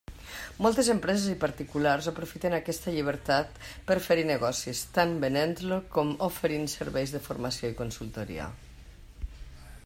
Moltes empreses i particulars aprofiten aquesta llibertat per fer-hi negocis, tant venent-lo com oferint serveis de formació i consultoria.